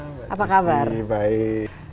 mengenai apa sih sebenarnya asing karawitan indonesia